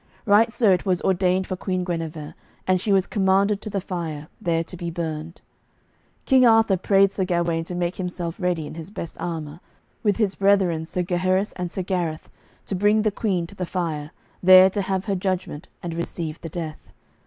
Right so it was ordained for Queen Guenever, and she was commanded to the fire, there to be burned. King Arthur prayed Sir Gawaine to make himself ready in his best armour, with his brethren Sir Gaheris and Sir Gareth, to bring the Queen to the fire, there to have her judgment, and receive the death.